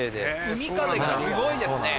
海風がすごいですね。